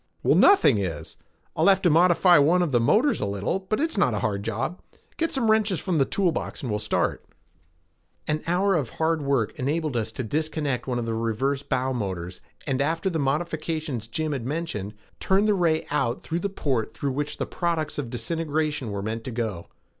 "Well, nothing is. I'll have to modify one of the motors a little, but it's not a hard job. Get some wrenches from the tool box and we'll start." An hour of hard work enabled us to disconnect one of the reserve bow motors and, after the modifications Jim had mentioned, turn the ray out through the port through which the products of disintegration were meant to go.